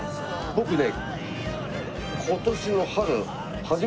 僕ね。